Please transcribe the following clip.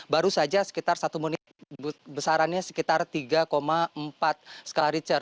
baru saja sekitar satu menit besarannya sekitar tiga empat skala richter